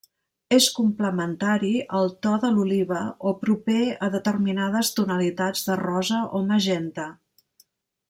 És complementari al to de l'oliva o proper a determinades tonalitats de rosa o magenta.